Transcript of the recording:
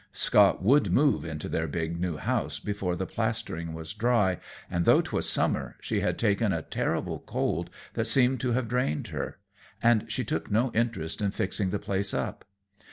Scott would move into their big new house before the plastering was dry, and though 't was summer, she had taken a terrible cold that seemed to have drained her, and she took no interest in fixing the place up.